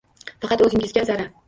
Faqat o’zingizga zarar